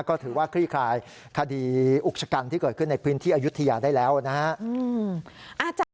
ก็ถือว่าคลี่คลายคดีอุกชะกันที่เกิดขึ้นในพื้นที่อายุทยาได้แล้วนะฮะ